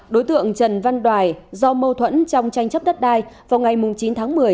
đối tượng trần văn đoài do mâu thuẫn trong tranh chấp đất đai vào ngày chín tháng một mươi